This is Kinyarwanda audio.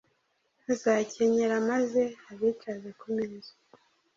azakenyera maze abicaze ku meza